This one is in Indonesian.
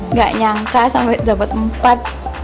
nggak nyangka sampai dapat empat